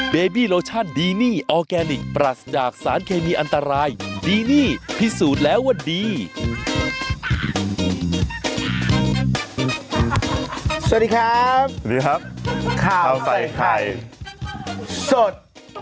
สวัสดีครับสวัสดีครับข้าวใส่ไข่สด